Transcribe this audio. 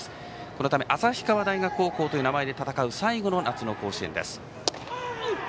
このため旭川大学高校という名前で戦う、最後の夏の甲子園です。